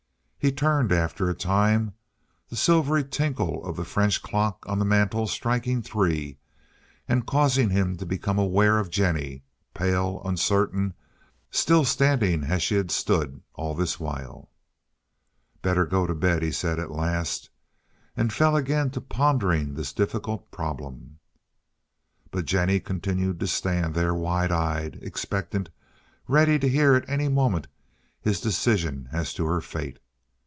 He turned after a time, the silvery tinkle of the French clock on the mantel striking three and causing him to become aware of Jennie, pale, uncertain, still standing as she had stood all this while. "Better go to bed," he said at last, and fell again to pondering this difficult problem. But Jennie continued to stand there wide eyed, expectant, ready to hear at any moment his decision as to her fate.